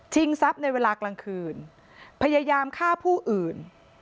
ทรัพย์ในเวลากลางคืนพยายามฆ่าผู้อื่น